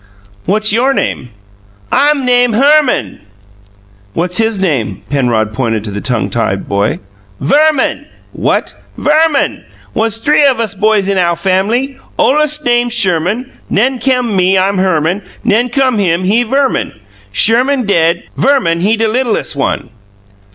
"What's YOUR name?" "I'm name Herman." "What's his name?" Penrod pointed to the tongue tied boy. "Verman." "What!" "Verman. Was three us boys in ow fam'ly. Ol'est one name Sherman. 'N'en come me; I'm Herman. 'N'en come him; he Verman. Sherman dead. Verman, he de littles' one."